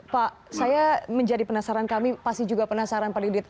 pak saya menjadi penasaran kami pasti juga penasaran pak didit